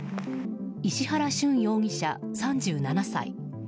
石原峻容疑者、３７歳。